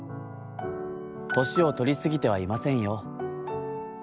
『年をとりすぎてはいませんよ。